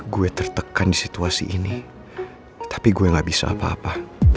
gue tertekan di situasi ini tapi gue gak bisa apa apa